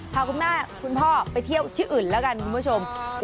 พาคุณแม่คุณพ่อไปเที่ยวที่อื่นแล้วกันคุณผู้ชม